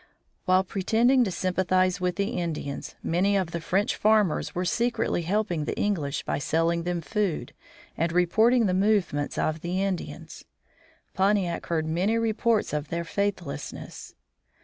While pretending to sympathize with the Indians, many of the French farmers were secretly helping the English by selling them food and reporting the movements of the Indians. Pontiac heard many reports of their faithlessness.